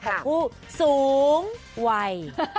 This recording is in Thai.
ของผู้สูงวัย